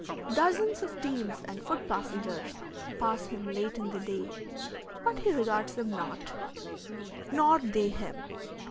Dozens of teams and foot passengers pass him late in the day, but he regards them not, nor they him.